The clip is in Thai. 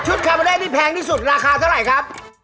คาเบอร์เล่ที่แพงที่สุดราคาเท่าไหร่ครับ